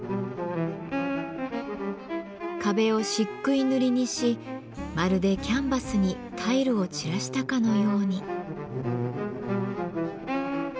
壁をしっくい塗りにしまるでキャンバスにタイルを散らしたかのように。